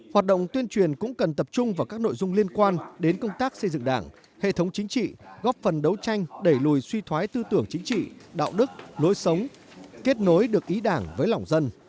hoạt động tuyên truyền cũng cần tập trung vào các nội dung liên quan đến công tác xây dựng đảng hệ thống chính trị góp phần đấu tranh đẩy lùi suy thoái tư tưởng chính trị đạo đức lối sống kết nối được ý đảng với lòng dân